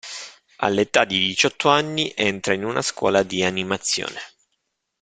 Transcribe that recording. All'età di diciotto anni, entra in una scuola di animazione.